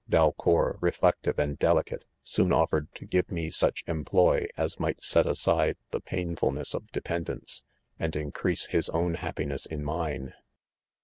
Dalcour, ireflective and .delicate, soon offered to give me such employ as might set aside the painfa!= •AessjOf r dependences and increase Ms own hap .pness in mine.